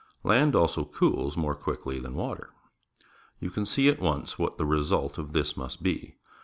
Land also cools more quickly than water. You can see at once what the result of this must be.